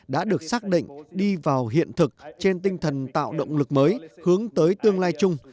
đã được xác định đi vào hiện thực trên tinh thần tạo động lực mới hướng tới tương lai chung